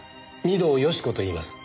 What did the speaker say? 御堂好子と言います。